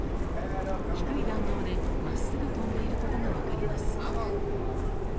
低い弾道で、真っすぐ飛んでいることが分かります。